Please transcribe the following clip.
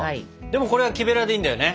でもこれは木べらでいいんだよね。